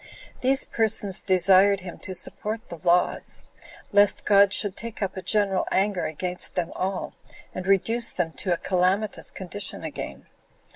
These persons desired him to support the laws, lest God should take up a general anger against them all, and reduce them to a calamitous condition again.